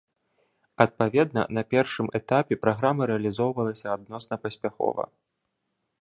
Адпаведна, на першым этапе праграма рэалізоўвалася адносна паспяхова.